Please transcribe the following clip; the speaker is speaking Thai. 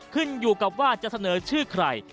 ขึ้นอยู่กับว่าจะเสนอชื่อใคร